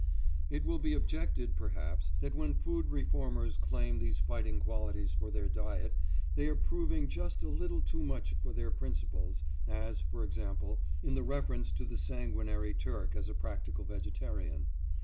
It will be objected, perhaps, that when food reformers claim these fighting qualities for their diet they are proving just a little too much for their principles, as, for example, in the reference to the sanguinary Turk as a practical vegetarian.